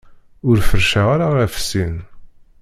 Ur feṛṛceɣ ara ɣef sin.